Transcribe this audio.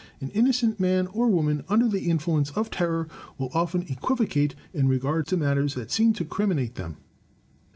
An innocent man or woman, under the influence of terror, will often equivocate in regard to matters that seem to criminate them.